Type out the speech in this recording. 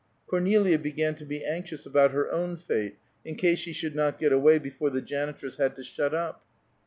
Cornelia began to be anxious about her own fate, in case she should not get away before the janitress had to shut up.